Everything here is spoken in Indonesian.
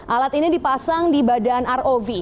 alat ini dipasang di badan rov